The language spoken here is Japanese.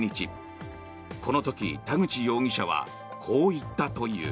この時、田口容疑者はこう言ったという。